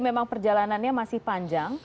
memang perjalanannya masih panjang